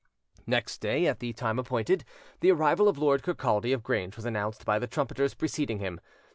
Next day, at the time appointed, the arrival of Lord Kirkcaldy of Grange was announced by the trumpeters preceding him.